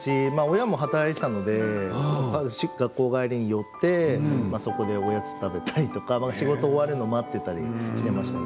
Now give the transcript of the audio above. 親も働いていたので学校帰りに寄ってそこでおやつを食べたりとか仕事が終わるのを待っていたりしていました。